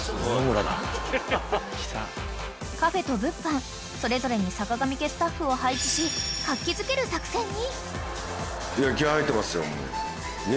［カフェと物販それぞれにさかがみ家スタッフを配置し活気づける作戦に］